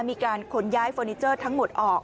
มีการขนย้ายเฟอร์นิเจอร์ทั้งหมดออก